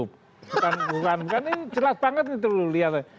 bukan bukan bukan ini jelas banget itu loh lihat